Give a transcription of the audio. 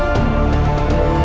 terima kasih tuhan